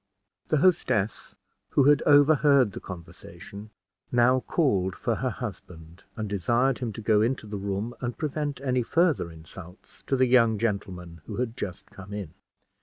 The hostess, who had overheard the conversation, now called for her husband, and desired him to go into the room and prevent any further insults to the young gentleman who had just come in.